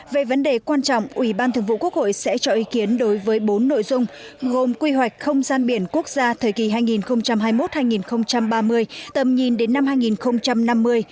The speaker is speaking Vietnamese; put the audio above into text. về vấn đề quan trọng ủy ban thường vụ quốc hội sẽ cho ý kiến đối với bốn nội dung gồm quy hoạch không gian biển quốc gia thời kỳ hai nghìn hai mươi một hai nghìn ba mươi tầm nhìn đến năm hai nghìn năm mươi